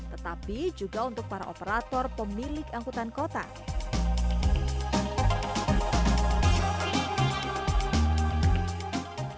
tetapi juga untuk para operator pemilik angkutan kota